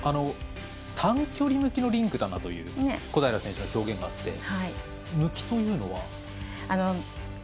短距離向きのリンクだという小平選手の表現があって向きというのは？